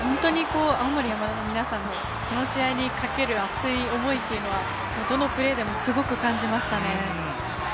青森山田の皆さんのこの試合にかける熱い思いというのは、どのプレーでもすごく感じました。